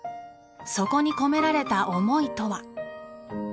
そこに込められた思いとは？